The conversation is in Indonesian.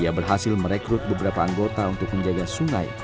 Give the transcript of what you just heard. ia berhasil merekrut beberapa anggota untuk menjaga sungai